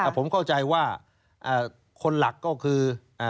ผมเข้าใจว่าคนหลักก็คือ